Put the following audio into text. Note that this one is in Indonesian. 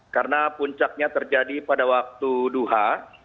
karena puncaknya terjadi pada waktu duha